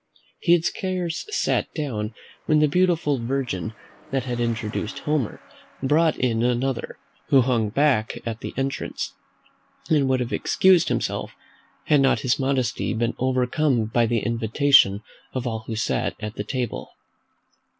He had scarce sat down, when the same beautiful virgin that had introduced Homer brought in another, who hung back at the entrance, and would have excused himself, had not his modesty been overcome by the invitation of all who sat at the table.